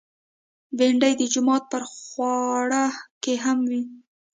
بېنډۍ د جومات پر خواړه کې هم وي